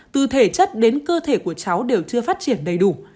từ thể chất đến cơ thể của cháu đều chưa phát triển đầy đủ